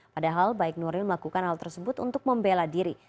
padahal baik nuril melakukan hal tersebut untuk membela diri